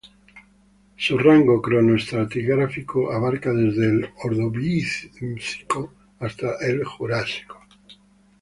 Su rango cronoestratigráfico abarca desde el Ordovícico hasta la Jurásico.